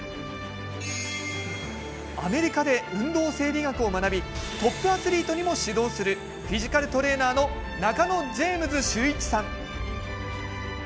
アメリカで運動生理学を学びトップアスリートにも指導するフィジカルトレーナーの中野ジェームズ修一さん。